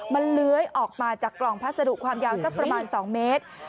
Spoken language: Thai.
มันเลื้อยออกมาจากกล่องพัสดุความยาวสักประมาณ๒เมตร